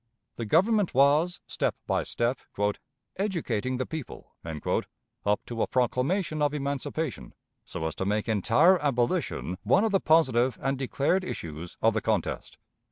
The Government was, step by step, "educating the people" up to a proclamation of emancipation, so as to make entire abolition one of the positive and declared issues of the contest.